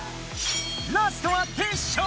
ラストはテッショウ！